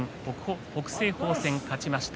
北青鵬戦、勝ちました